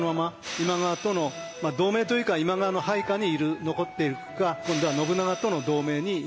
今川との同盟というか今川の配下にいる残っていくか今度は信長との同盟にいくか